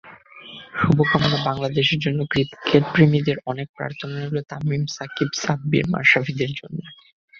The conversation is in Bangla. শুভকামনা বাংলাদেশের জন্য, ক্রিকেটপ্রেমীদের অনেক প্রার্থনা রইল তামিম, সাকিব, সাব্বির, মাশরাফিদের জন্য।